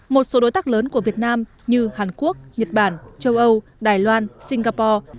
một số đối tác lớn của việt nam như hàn quốc nhật bản châu âu đài loan singapore